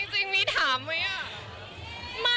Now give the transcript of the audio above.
จริงมีถามไหม